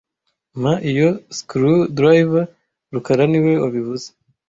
Mpa iyo screwdriver rukara niwe wabivuze